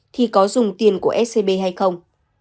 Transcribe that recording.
thì có dùng tiền của scb hay không